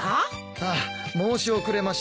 ああ申し遅れました